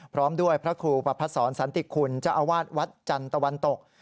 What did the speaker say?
พร้อมด้วยพระครูประพัทธ์ศรสันติกคุณจ้าวาทวัดจันตวันตก